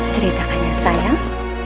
ceritakan ya sayang